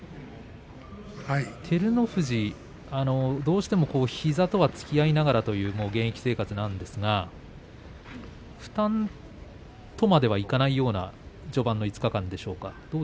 照ノ富士、どうしても膝とはつきあいながらということは現役生活であるんですけれど負担とまではいかないような序盤の５日間でしょうか。